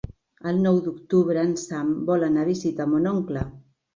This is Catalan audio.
El nou d'octubre en Sam vol anar a visitar mon oncle.